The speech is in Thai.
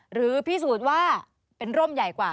หรือพิสูจน์ว่าเป็นร่มใหญ่กว่า